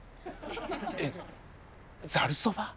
えっざるそば？